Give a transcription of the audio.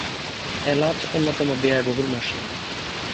এলাচ অন্যতম ব্যয়বহুল মশলা।